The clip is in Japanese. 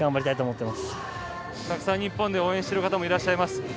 たくさん、日本で応援している方もいらっしゃいます。